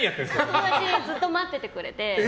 友達はずっと待っててくれて。